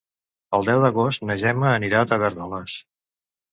El deu d'agost na Gemma anirà a Tavèrnoles.